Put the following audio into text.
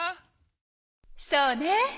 そうね！